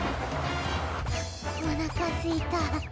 おなかすいた。